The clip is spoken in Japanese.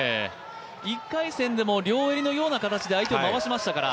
１回戦でも両襟のような形で相手を回しましたから。